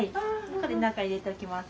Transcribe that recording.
これ中入れておきます。